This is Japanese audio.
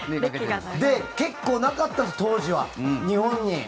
結構なかったんです当時は日本に。